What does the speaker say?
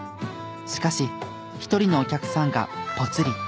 しかし一人のお客さんがポツリ